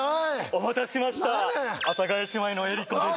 お待たせしました阿佐ヶ谷姉妹の江里子です